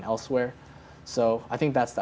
saya telah menerima di tempat lain